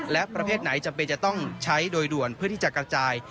และประเภทไหนจำเป็นจะต้องใช้โดยด่วนเพื่อที่จะกระจาย